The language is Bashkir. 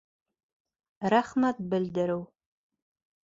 Рәхмәт белдереү